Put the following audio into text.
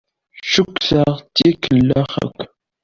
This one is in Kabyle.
Cukkteɣ d tikellax akk.